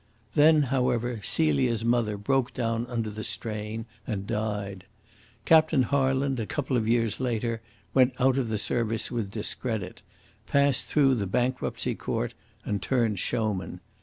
Then, however, Celia's mother broke down under the strain and died. Captain Harland, a couple of years later, went out of the service with discredit, passed through the bankruptcy court, and turned showman.